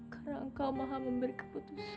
karena kau maha memberi keputusan